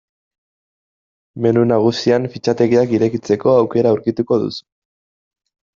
Menu nagusian fitxategiak irekitzeko aukera aurkituko duzu.